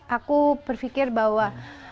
aku berpikir bahwa